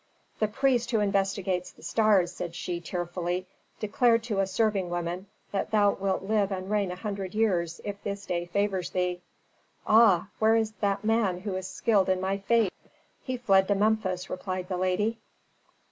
"The priest who investigates the stars," said she, tearfully, "declared to a serving woman that thou wilt live and reign a hundred years if this day favors thee." "Ah! Where is that man who is skilled in my fate?" "He fled to Memphis," replied the lady.